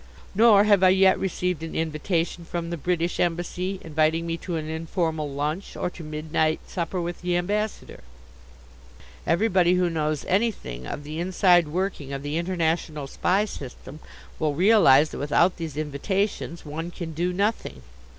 Nor have I yet received an invitation from the British Embassy inviting me to an informal lunch or to midnight supper with the Ambassador. Everybody who knows anything of the inside working of the international spy system will realize that without these invitations one can do nothing.